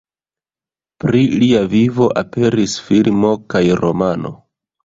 Pri lia vivo aperis filmo kaj romano.